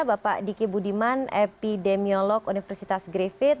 bapak diki budiman epidemiolog universitas griffith